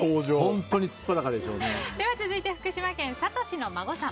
続いて福島県の方。